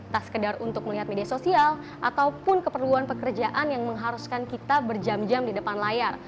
tak sekedar untuk melihat media sosial ataupun keperluan pekerjaan yang mengharuskan kita berjam jam di depan layar